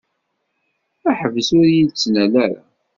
Ḥbes ur yi-d-ttnal ara.